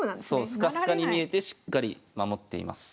スカスカに見えてしっかり守っています。